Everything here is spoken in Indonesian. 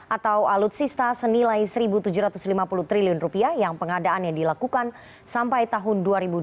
atau alutsista senilai rp satu tujuh ratus lima puluh triliun yang pengadaannya dilakukan sampai tahun dua ribu dua puluh